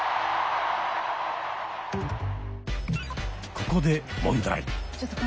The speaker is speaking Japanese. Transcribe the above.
ここで問題。